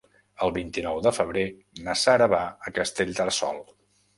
El vint-i-nou de febrer na Sara va a Castellterçol.